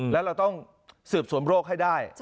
แล้วเราต้องสืบสวนโรคให้ได้